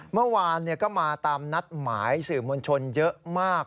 เมื่อวานก็มาตามนัดหมายสื่อมวลชนเยอะมาก